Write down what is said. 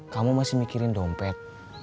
kamu masih mikirin dompet